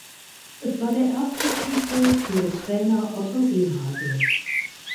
Es war der erste Titel für Trainer Otto Rehhagel.